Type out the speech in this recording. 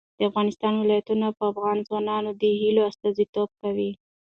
د افغانستان ولايتونه د افغان ځوانانو د هیلو استازیتوب کوي.